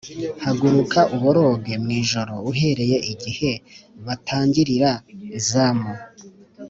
“Haguruka uboroge mu ijoro, Uhereye igihe batangirira izamu.